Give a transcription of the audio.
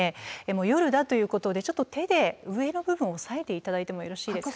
夜だということでちょっと手で上の部分を押さえて頂いてもよろしいですか？